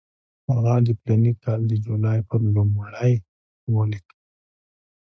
هغه د فلاني کال د جولای پر لومړۍ ولیکل.